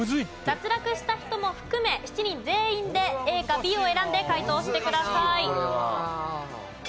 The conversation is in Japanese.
脱落した人も含め７人全員でＡかＢを選んで解答してください。